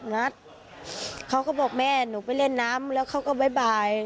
งัดเขาก็บอกแม่หนูไปเล่นน้ำแล้วเขาก็บ๊าย